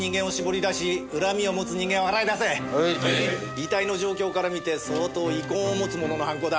遺体の状況から見て相当遺恨を持つ者の犯行だ。